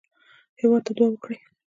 هېواد ته دعا وکړئ